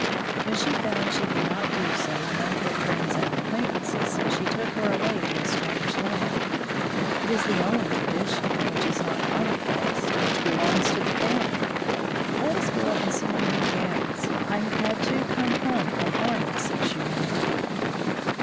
When she found she could not do so among her friends and acquaintances, she took her away to a strange land. It is the only tradition, which is not commonplace, which belongs to the family. Let us go up and see my new gowns. I have had two come home from Arnold's since you went away."